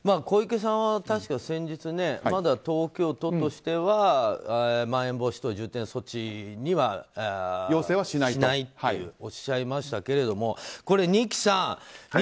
小池さんは確か先日まだ東京都としてはまん延防止等重点措置の要請はしないとおっしゃいましたけど二木さん